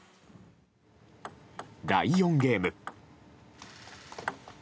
第４ゲーム。